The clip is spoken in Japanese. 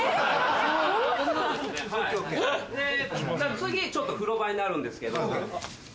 次ちょっと風呂場になるんですけど。